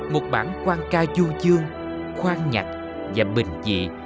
một bản quang ca du dương khoan nhạc và bình dị